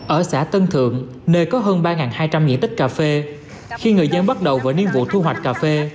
ở xã tân thượng nơi có hơn ba hai trăm linh diện tích cà phê khi người dân bắt đầu vỡ niên vụ thu hoạch cà phê